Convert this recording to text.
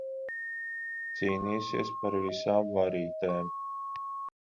Cīnīsies par visām varītēm.